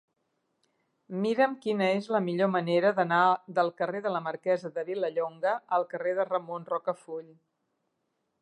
Mira'm quina és la millor manera d'anar del carrer de la Marquesa de Vilallonga al carrer de Ramon Rocafull.